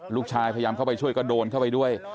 ลูกชายพยายามเข้าไปช่วยก็โดนเข้าไปด้วย